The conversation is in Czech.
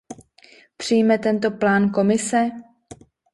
Přijme tento plán Komise?